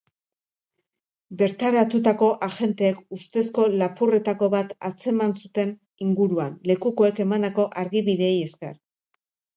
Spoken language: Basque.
Bertaratutako agenteek ustezko lapurretako bat atzeman zuten inguruan, lekukoek emandako argibideei esker.